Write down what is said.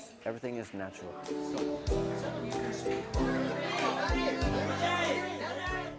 semuanya menjadi natural untuk kita semuanya natural